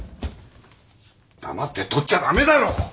黙って取っちゃ駄目だろ！